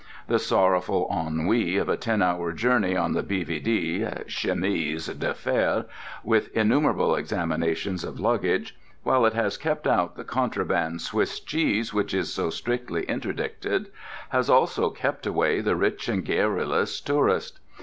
The sorrowful ennui of a ten hour journey on the B.V.D. Chemise de fer (with innumerable examinations of luggage), while it has kept out the contraband Swiss cheese which is so strictly interdicted, has also kept away the rich and garrulous tourist.